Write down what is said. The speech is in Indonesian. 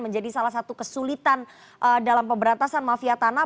menjadi salah satu kesulitan dalam pemberantasan mafia tanah